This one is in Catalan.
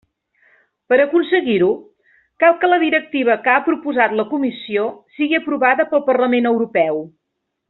Per aconseguir-ho, cal que la directiva que ha proposat la Comissió sigui aprovada pel Parlament Europeu.